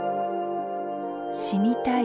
「死にたい」